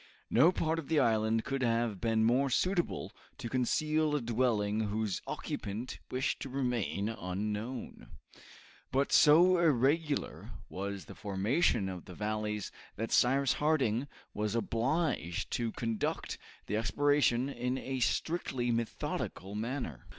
No part of the island could have been more suitable to conceal a dwelling whose occupant wished to remain unknown. But so irregular was the formation of the valleys that Cyrus Harding was obliged to conduct the exploration in a strictly methodical manner.